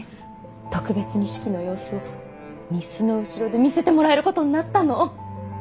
特別に式の様子を御簾の後ろで見せてもらえることになったの。